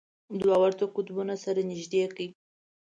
دوه ورته قطبونه سره نژدې کړئ.